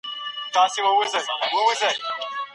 سیاستپوهنه د طبیعي علومو په څېر نه ده.